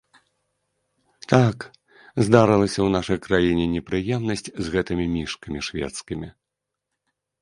Так, здарылася ў нашай краіне непрыемнасць з гэтымі мішкамі шведскімі.